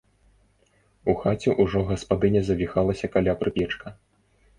У хаце ўжо гаспадыня завіхалася каля прыпечка.